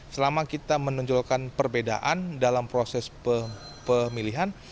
selama kita menonjolkan perbedaan dalam proses pemilihan